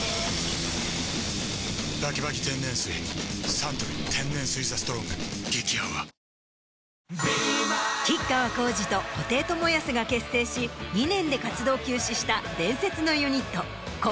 サントリー天然水「ＴＨＥＳＴＲＯＮＧ」激泡吉川晃司と布袋寅泰が結成し２年で活動休止した。